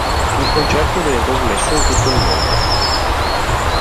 Il concerto viene trasmesso in tutto il mondo.